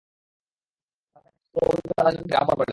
তারা তাকে এক ও অদ্বিতীয় আল্লাহর ইবাদতের প্রতি আহ্বান করলেন।